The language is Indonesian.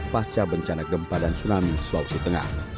pasca bencana kempadan tsunami sulawesi tengah